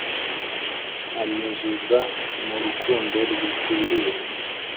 Anyuzuzamw urukundo rukwiye.